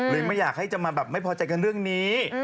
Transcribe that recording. ไม่อยากให้จะมาแบบไม่พอใจกันเรื่องนี้